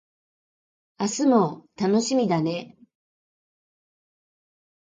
明日も楽しみだね